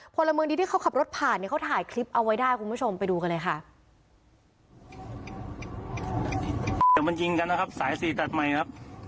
พลเมืองดีที่เขาขับรถผ่านเนี่ยเขาถ่ายคลิปเอาไว้ได้คุณผู้ชมไปดูกันเลยค่ะ